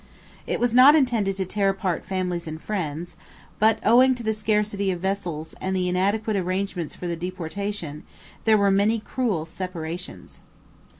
It was not intended to tear apart families and friends, but, owing to the scarcity of vessels and the inadequate arrangements for the deportation, there were many cruel separations.